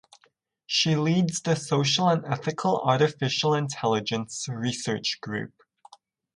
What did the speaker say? She leads the Social and Ethical Artificial Intelligence research group.